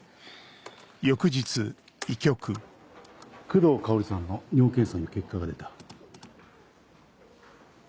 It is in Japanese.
工藤香織さんの尿検査の結果が出た。